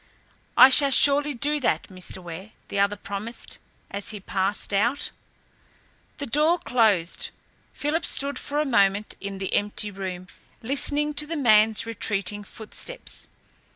"I shall surely do that, Mr. Ware!" the other promised, as he passed out. The door closed. Philip stood for a moment in the empty room, listening to the man's retreating footsteps.